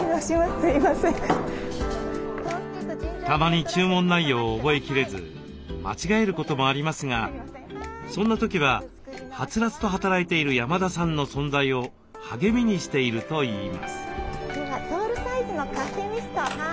たまに注文内容を覚えきれず間違えることもありますがそんな時ははつらつと働いている山田さんの存在を励みにしているといいます。